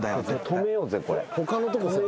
止めようぜこれ。